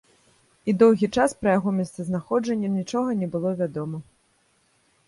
І доўгі час пра яго месцазнаходжанне нічога не было вядома.